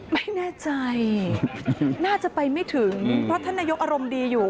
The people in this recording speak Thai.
ไม่แน่ใจน่าจะไปไม่ถึงเพราะท่านนายกอารมณ์ดีอยู่